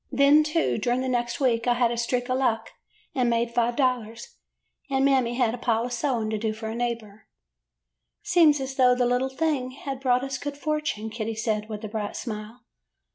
Then, too, during the next week I had a streak of luck, and made five dollars, and Mammy had a pile of sewing to do for a neighbor. '' 'Seems as though the little thing had brought us good fortune,' Kitty said, with a bright smile.